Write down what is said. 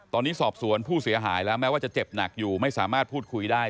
ตอนนี้สอบสวนผู้เสียหายแล้วแม้ว่าจะเจ็บหนักอยู่ไม่สามารถพูดคุยได้